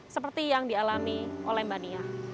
seperti yang dialami oleh mbak nia